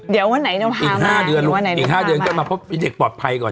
เดี๋ยววันไหนจะพามาอีกห้าเดือนก็มาพบพี่เด็กปลอบภัยก่อน